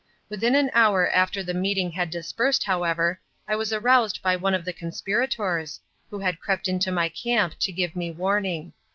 Within an hour after the meeting had dispersed, however, I was aroused by one of the conspirators, who had crept into my camp to give me warning.